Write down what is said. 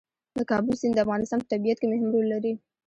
د کابل سیند د افغانستان په طبیعت کې مهم رول لري.